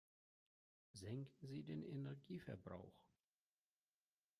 Senken Sie den Energieverbrauch!